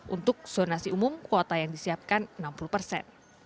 untuk zonasi umum kuota yang disiapkan enam puluh persen